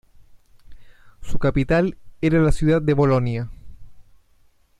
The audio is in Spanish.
Su capital era la ciudad de Bolonia.